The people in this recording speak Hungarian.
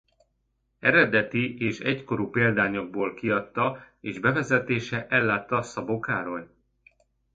Eredeti és egykorú példányokból kiadta és bevezetéssel ellátta Szabó Károly.